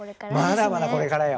まだまだこれからよ